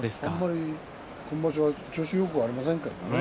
あまり今場所は調子よくありませんからね。